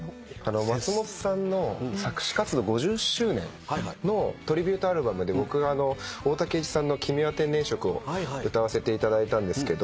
松本さんの作詞活動５０周年のトリビュートアルバムで僕が大滝詠一さんの『君は天然色』を歌わせていただいたんですけど。